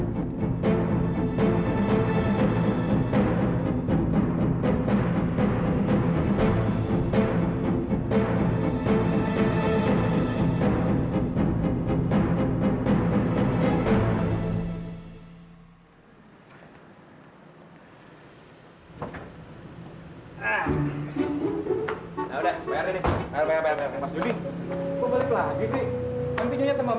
nanti jatuh pana mera mas